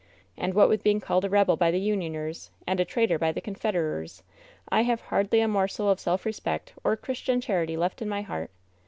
And what with being called a rebel by the Unioners and a traitor by the Confederers, I have hardly a morsel of self respect or Christian charity left in my heart.